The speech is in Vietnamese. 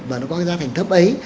và nó có cái gia thành thấp ấy